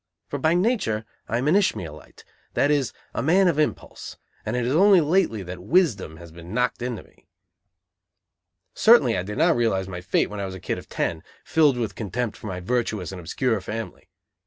For by nature I am an Ishmælite, that is, a man of impulse, and it is only lately that wisdom has been knocked into me. Certainly I did not realize my fate when I was a kid of ten, filled with contempt for my virtuous and obscure family!